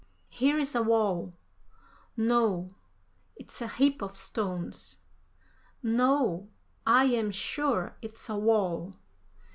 "Here is a wall." "No, it's a heap of stones." "No, I am sure it's a wall."